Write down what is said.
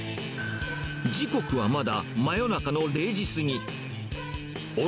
時刻はまだ真夜中の０時過ぎ。